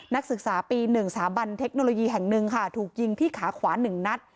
นักศึกษาปี๑สถาบันเทคโนโลยีแห่งหนึ่งค่ะถูกยิงที่ขาขวา๑นัด